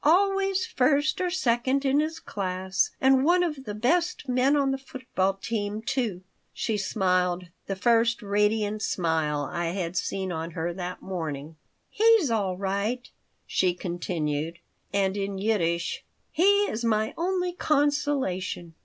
Always first or second in his class. And one of the best men on the football team, too." She smiled, the first radiant smile I had seen on her that morning "He's all right," she continued. And in Yiddish, "He is my only consolation."